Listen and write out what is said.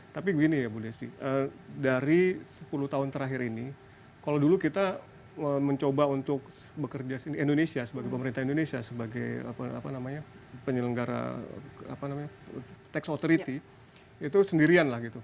tapi begini ya bu desi dari sepuluh tahun terakhir ini kalau dulu kita mencoba untuk bekerja indonesia sebagai pemerintah indonesia sebagai penyelenggara tax authority itu sendirian lah gitu